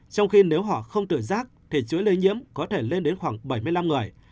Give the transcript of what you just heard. trong khi nếu họ không tự giác thì chứa lây nhiễm có thể lên đến khoảng bảy mươi năm người